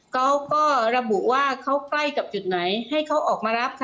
เขาก็ระบุว่าเขาใกล้กับจุดไหนให้เขาออกมารับค่ะ